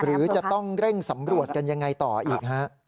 หรือจะต้องเร่งสำรวจกันยังไงต่ออีกฮะ